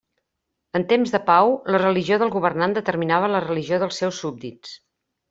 En temps de pau, la religió del governant determinava la religió dels seus súbdits.